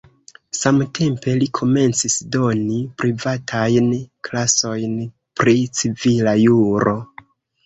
Samtempe li komencis doni privatajn klasojn pri civila juro.